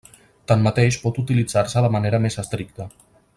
Tanmateix pot utilitzar-se de manera més estricta.